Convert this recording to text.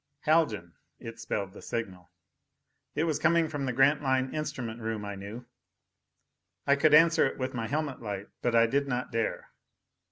Haljan. It spelled the signal. It was coming from the Grantline instrument room, I knew. I could answer it with my helmet light, but I did not dare.